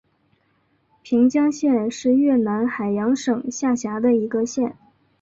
平江县是越南海阳省下辖的一个县。